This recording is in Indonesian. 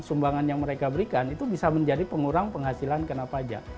sumbangan yang mereka berikan itu bisa menjadi pengurang penghasilan kena pajak